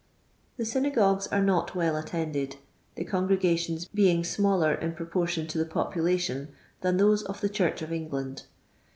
The synagogues are not well attended, the con gregations being smaller in proportion to the popu lation than those of the Church of Enghind.